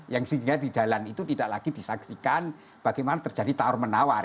yang sehingga di dalam itu tidak lagi disaksikan bagaimana terjadi tawar menawar